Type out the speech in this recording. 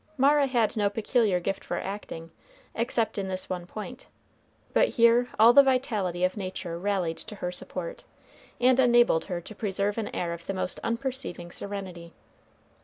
Mara had no peculiar gift for acting, except in this one point; but here all the vitality of nature rallied to her support, and enabled her to preserve an air of the most unperceiving serenity.